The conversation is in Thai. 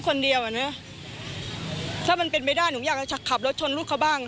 คนเดียวอ่ะเนอะถ้ามันเป็นไปได้หนูอยากจะขับรถชนลูกเขาบ้าง